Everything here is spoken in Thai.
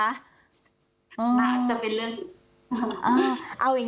อาจจะเป็นเรื่อง